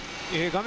画面